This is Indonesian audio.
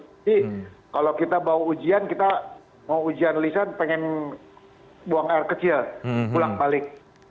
kalau kita mau ujian kita mau ujian lisan pengen buang air kecil pulang balik